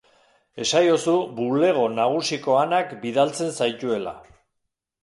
Esaiozu bulego nagusiko Anak bidaltzen zaituela.